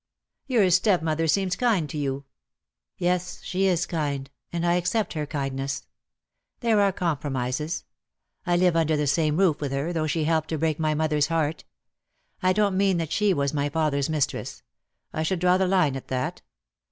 "Your stepmother seems kind to you." "Yes, she is kind, and I accept her kindness. There are compromises. I live under the same roof with her, though she helped to break my mother's heart. I don't mean that she was my father's mistress. I should draw the line at that.